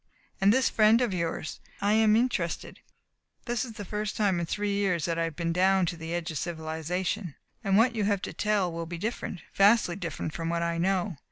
And this friend of yours? I am interested. This is the first time in three years that I have been down to the edge of civilization, and what you have to tell will be different vastly different from what I know.